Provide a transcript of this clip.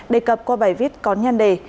đề cập qua bài viết có nhan đề